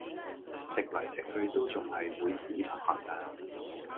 食嚟食去都仲係會屎忽痕呀